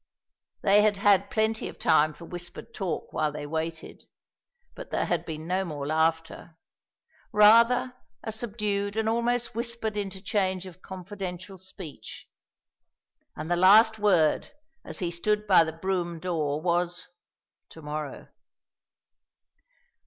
They had had plenty of time for whispered talk while they waited, but there had been no more laughter, rather a subdued and almost whispered interchange of confidential speech; and the last word as he stood by the brougham door was "to morrow."